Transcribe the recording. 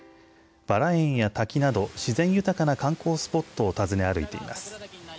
バラ園や滝など自然豊かな観光スポットを訪ね歩いています。